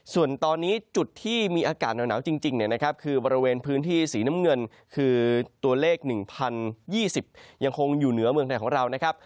ส่วนตอนนี้จุดที่มีอากาศหนาวจริงเนี่ยนะครับคือบริเวณพื้นที่สีน้ำเงินคือตัวเลข๑๐๒๐ยังคงอยู่เหนือเมืองไทยของเรานะครับ